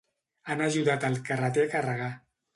Han ajudat el carreter a carregar.